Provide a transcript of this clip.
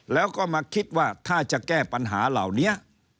แล้วก็มาคิดว่าถ้าจะแก้ปัญหาเหล่านี้